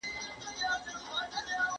بې خبره بې رویباره یم راغلی